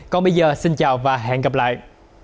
còn bây giờ xin chào và hẹn gặp lại